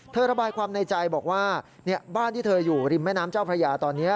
ระบายความในใจบอกว่าบ้านที่เธออยู่ริมแม่น้ำเจ้าพระยาตอนนี้